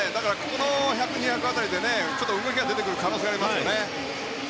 この１００、２００辺りで動きが出てくる可能性も。